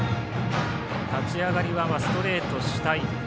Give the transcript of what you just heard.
立ち上がりはストレート主体。